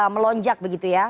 melonjak begitu ya